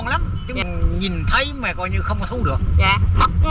bà con nhìn thấy bà con không có thu được